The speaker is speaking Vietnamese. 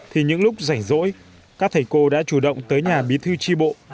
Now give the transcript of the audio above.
thì những lúc rảnh rỗi các thầy cô đã chủ động tới nhà bí thư tri bộ